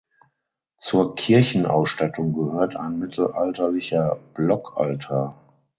Zur Kirchenausstattung gehört ein mittelalterlicher Blockaltar.